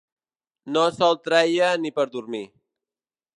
No se'l treia ni per dormir.